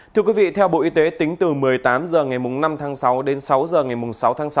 thưa quý vị theo bộ y tế tính từ một mươi tám h ngày năm tháng sáu đến sáu h ngày sáu tháng sáu